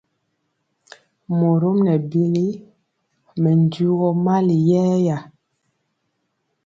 Morɔm nɛ bili mɛ njugɔ mali yɛɛya.